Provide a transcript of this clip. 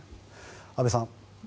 安部さん。